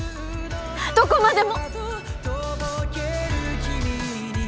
どこまでも！